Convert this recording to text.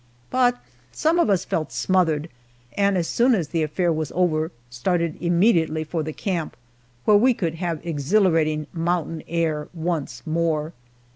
But some of us felt smothered, and as soon as the affair was over, started immediately for the camp, where we could have exhilarating mountain air once more.